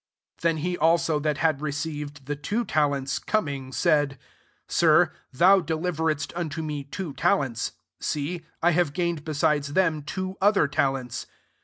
22 « Then he* also that [had received] the two talents, com^ ing, said, « Sir thou deliveredst unto me two talents : see, I have gained [besides them] twa other talents.